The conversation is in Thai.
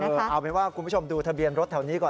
เอาเป็นว่าคุณผู้ชมดูทะเบียนรถแถวนี้ก่อน